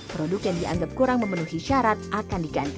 produk yang dianggap kurang memenuhi syarat akan diganti